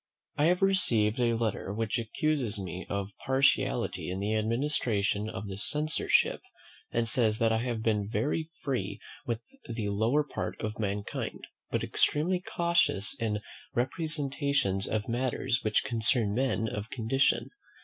I have received a letter which accuses me of partiality in the administration of the censorship; and says, that I have been very free with the lower part of mankind, but extremely cautious in representations of matters which concern men of condition.